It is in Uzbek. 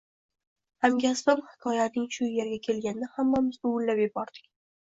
Hamkasbim hikoyaning shu yeriga kelganida hammamiz uvillab yubordik.